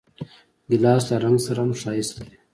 ګیلاس له رنګ سره هم ښایست لري.